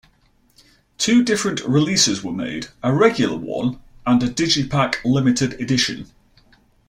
Two different releases were made, a regular one and a digipack limited edition.